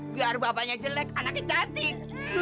biar bapaknya jelek anaknya cantik